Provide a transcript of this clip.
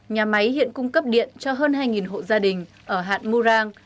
nhà máy hiện cung cấp điện cho hơn hai hộ gia đình ở hạn murang